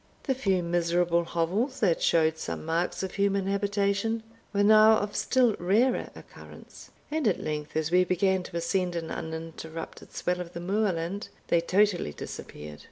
The few miserable hovels that showed some marks of human habitation, were now of still rarer occurrence; and at length, as we began to ascend an uninterrupted swell of moorland, they totally disappeared.